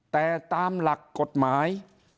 แต่ตามหลักกฎหมาย